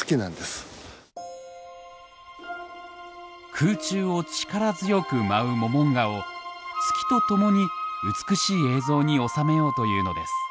空中を力強く舞うモモンガを月とともに美しい映像に収めようというのです。